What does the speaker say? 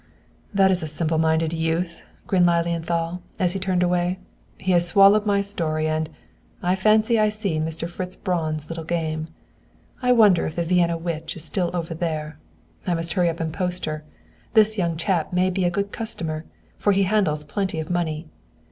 "This is a simple minded youth," grinned Lilienthal, as he turned away. "He has swallowed my story, and I fancy I see Mr. Fritz Braun's little game. I wonder if the Vienna witch is still over there. I must hurry up and post her. This young chap may be a good customer, for he handles plenty of money."